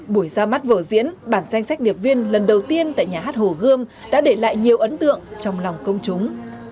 buổi ra mắt vở diễn bản danh sách điệp viên lần đầu tiên tại nhà hát hồ gươm đã để lại nhiều ấn tượng trong lòng công chúng